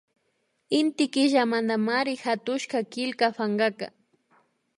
Inti Killamantamari hatushka killka pankaka